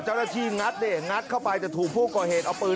เจ้าหน้าที่งัดเนี่ยงัดเข้าไปจะถูกผู้ก่อเห็นเอาปืน